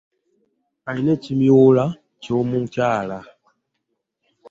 Alina ekimyula kyo mukyala